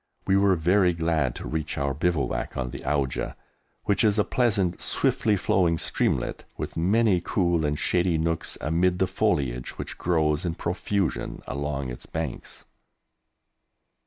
We were very glad to reach our bivouac on the Auja, which is a pleasant, swiftly flowing streamlet, with many cool and shady nooks amid the foliage which grows in profusion along its banks.